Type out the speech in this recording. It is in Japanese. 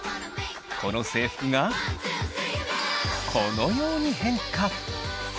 この制服がこのように変化。